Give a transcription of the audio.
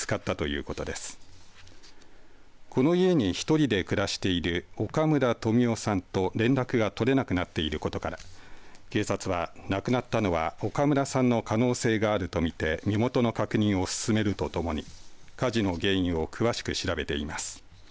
この家に１人で暮らしている岡村富夫さんと連絡が取れなくなっていることから警察は亡くなったのは岡村さんの可能性があると見て身元の確認を進めるとともに火事の原因を詳しく調べています。